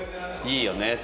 いいよね。